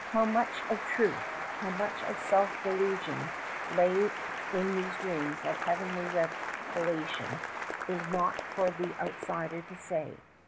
How much of truth, how much of self delusion, lay in these dreams of heavenly revelation is not for the outsider to say.